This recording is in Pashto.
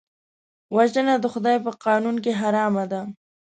وژنه د خدای په قانون کې حرام ده